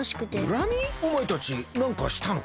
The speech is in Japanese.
おまえたちなんかしたのか？